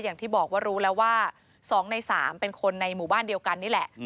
อย่างที่บอกว่ารู้แล้วว่า๒ใน๓เป็นคนในหมู่บ้านเดียวกันนี่แหละ